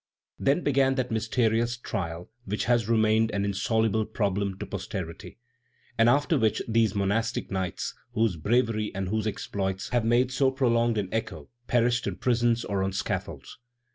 Then began that mysterious trial which has remained an insoluble problem to posterity, and after which these monastic knights, whose bravery and whose exploits have made so prolonged an echo, perished in prisons or on scaffolds.